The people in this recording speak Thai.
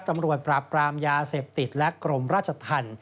ตำรวจปราบปรามยาเสพติดและกรมราชธรรม